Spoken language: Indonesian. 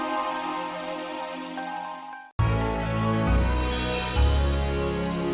tidak tuhan aku sudah keren lagi